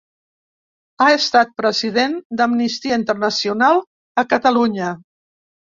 Ha estat president d'Amnistia Internacional a Catalunya.